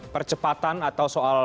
percepatan atau soal